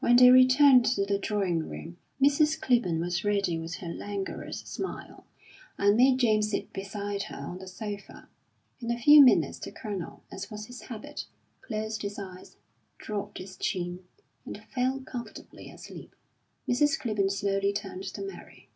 When they returned to the drawing room, Mrs. Clibborn was ready with her langorous smile, and made James sit beside her on the sofa. In a few minutes the Colonel, as was his habit, closed his eyes, dropped his chin, and fell comfortably asleep. Mrs. Clibborn slowly turned to Mary.